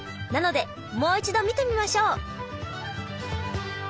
なのでもう一度見てみましょう！